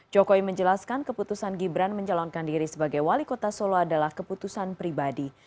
jokowi menjelaskan keputusan gibran menjalankan diri sebagai wali kota solo adalah keputusan pribadi